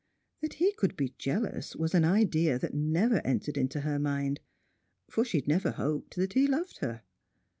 That he could be jealous was an idea that never entered into her mind, for she had never hoped that he loved her.